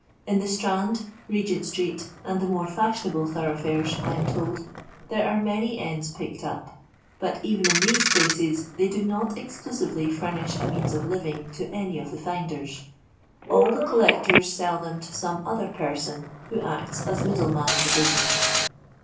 In the Strand, Hegent street, and the more foshionable thoroughfores, I am told, there are many ends picked up ; but even in these places they do not exclusively furnish a means of living to any of the finders. All the collectors sell them to some other person, who acts as middle man in the business.